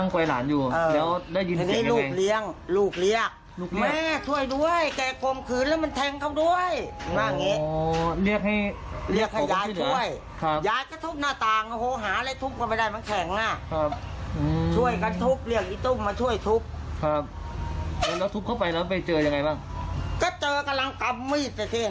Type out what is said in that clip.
ก็เจอกำลังกำมืดแบบนี้